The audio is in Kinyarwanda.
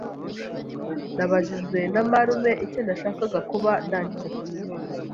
Nabajijwe na marume icyo nashakaga kuba ndangije kaminuza.